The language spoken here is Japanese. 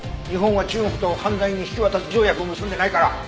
日本は中国と犯罪人引渡条約を結んでないから。